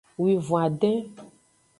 Wivon-aden.